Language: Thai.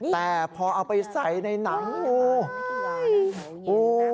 แต่พอเอาไปใส่ในหนังงู